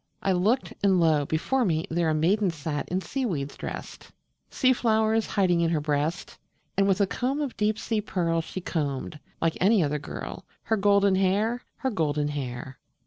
I looked, and lo! before me there A maiden sat in seaweeds drest, Sea flowers hiding in her breast, And with a comb of deep sea pearl She combed, like any other girl, Her golden hair her golden hair.